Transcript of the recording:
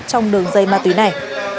trong đường dây ma túy này